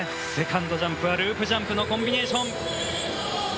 セカンドジャンプはループジャンプのコンビネーション。